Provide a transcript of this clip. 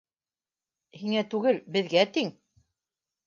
Һиңә түгел, беҙгә тиң...